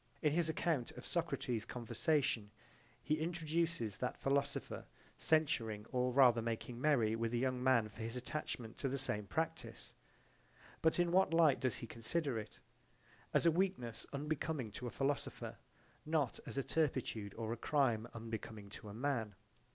In his account of Socrates's conversation he introduces that philosopher censuring or rather making merry with a young man for his attachment to the same practise. But in what light does he consider it? As a weakness unbecoming to a philosopher, not as a turpitude or a crime unbecoming to a man.